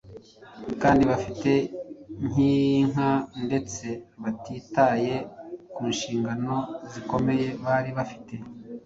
kandi bafite inzika ndetse batitaye ku nshingano zikomeye bari bafite,